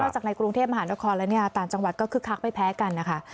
จากในกรุงเทพมหานครแล้วเนี่ยต่างจังหวัดก็คึกคักไม่แพ้กันนะคะ